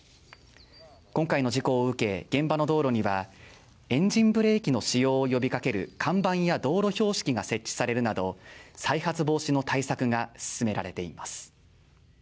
今回の事故を受け、現場の道路にはエンジンブレーキの使用を呼びかける看板や道路標識が設置されるなど再発防止の対策が進められています。